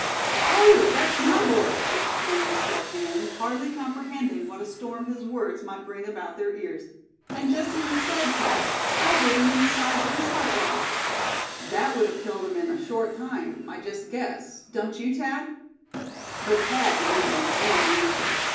"Oh! that's my bullet!" exclaimed Step Hen, hardly comprehending what a storm his words might bring about their ears; "and just as you said, Thad, I hit him in the side where his heart lies. That would have killed him in a short time, I just guess, don't you, Thad?" But Thad did not make any answer.